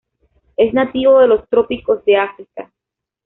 Es nativo de los trópicos de África.